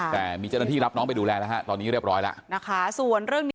แต่มีเจ้าหน้าที่รับน้องไปดูแลแล้วฮะตอนนี้เรียบร้อยแล้วนะคะ